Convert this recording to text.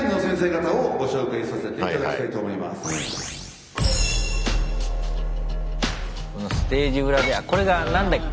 それではこのステージ裏ではこれが何だっけ？